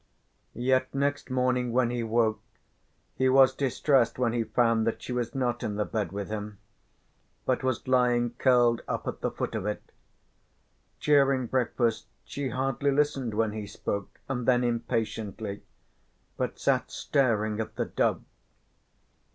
Yet next morning when he woke he was distressed when he found that she was not in the bed with him but was lying curled up at the foot of it. During breakfast she hardly listened when he spoke, and then impatiently, but sat staring at the dove.